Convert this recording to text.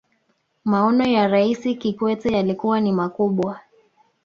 maono ya raisi kikwete yalikuwa ni makubwa